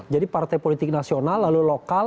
jadi partai politik nasional lalu lokal